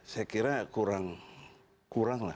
saya kira kurang lah